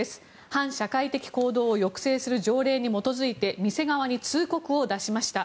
反社会的行動を抑制する条例に基づいて店側に通告を出しました。